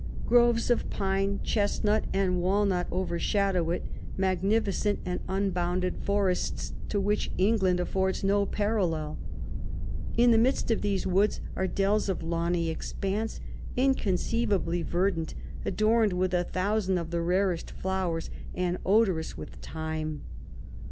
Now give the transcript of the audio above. Groves of pine, chesnut, and walnut overshadow it ; magnificent and unbounded forests to 120 which England affords no parallel. In the midst of these woods are dells of lawny expanse, inconceivably verdant, adorned with a thousand of the rarest flowers and odourous with thyme.